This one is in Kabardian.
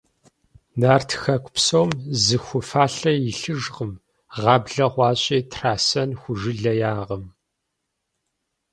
Нарт хэку псом зы ху фалъэ илъыжкъым, гъаблэ хъуащи, трасэн ху жылэ яӀэкъым.